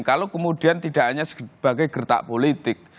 kalau kemudian tidak hanya sebagai gertak politik